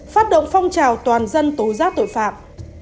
phát động phong trào toàn dân tố giác tội phạm